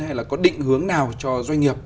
hay là có định hướng nào cho doanh nghiệp